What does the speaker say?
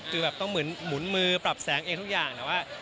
คือแบบต้องหมุนมือปรับแสงเองทุกอย่างแต่ว่า